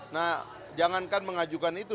nah jangankan mengajukan itu